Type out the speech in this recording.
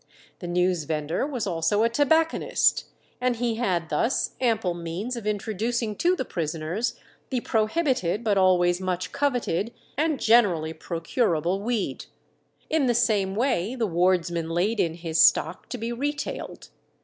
The news vendor was also a tobacconist, and he had thus ample means of introducing to the prisoners the prohibited but always much coveted and generally procurable weed. In the same way the wardsman laid in his stock to be retailed.